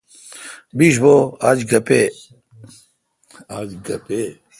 بیش بو آج گپے°۔